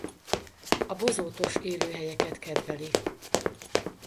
A bozótos élőhelyeket kedveli.